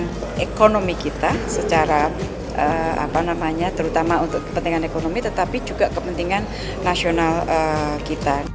pertumbuhan ekonomi kita secara terutama untuk kepentingan ekonomi tetapi juga kepentingan nasional kita